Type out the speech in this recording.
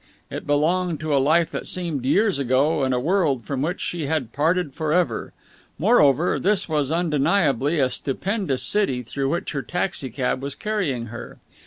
It belonged to a life that seemed years ago and a world from which she had parted for ever. Moreover, this was undeniably a stupendous city through which her taxi cab was carrying her.